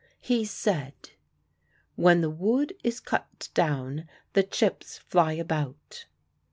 He said: 'When the wood is cut down, the chips fly about.